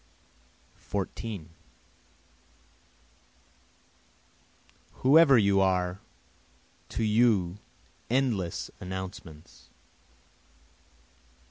14 Whoever you are, to you endless announcements!